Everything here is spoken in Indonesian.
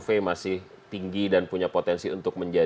pekerjaan datang ke sini memang ketidakpunnya dadic terus meregat